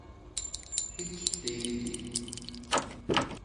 Hiç değildi.